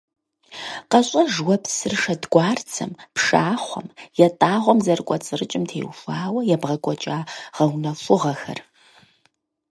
КъэщӀэж уэ псыр шэдгуарцэм, пшахъуэм, ятӀагъуэм зэрыкӀуэцӀрыкӀым теухуауэ ебгъэкӀуэкӀа гъэунэхуныгъэхэр.